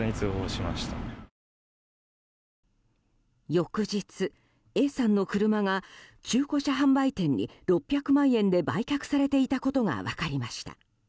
翌日、Ａさんの車が中古車販売店に６００万円で売却されていたことが分かりました。